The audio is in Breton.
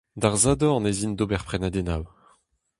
D'ar Sadorn ez in d'ober prenadennoù.